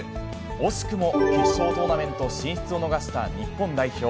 惜しくも決勝トーナメント進出を逃した日本代表。